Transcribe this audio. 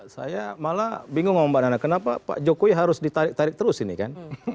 saya malah bingung sama mbak nana kenapa pak jokowi harus ditarik tarik terus ini kan